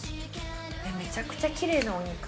めちゃくちゃきれいなお肉。